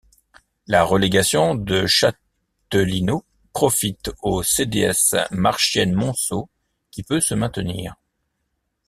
La relégation de Châtelineau profite au CdS Marchienne-Monceau qui peut se maintenir.